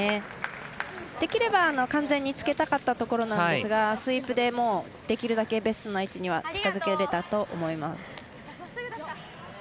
できれば完全につけたかったところですがスイープでできるだけベストな位置には近づけれたとは思います。